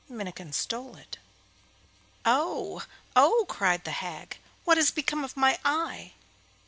Minnikin stole it. 'Oh! oh!' cried the old hag, 'what has become of my eye?